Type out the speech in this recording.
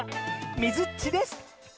みずっちです！